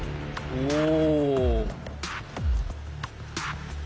おお！